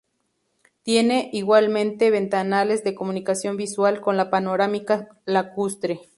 Tiene, igualmente, ventanales de comunicación visual con la panorámica lacustre.